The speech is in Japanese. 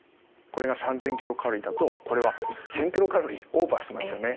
これが３，０００ｋｃａｌだとこれは１，０００ｋｃａｌオーバーしてますよね。